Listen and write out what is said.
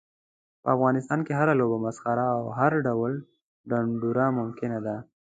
په افغانستان کې هره لوبه، مسخره او هر ډول ډنډوره ممکنه ده.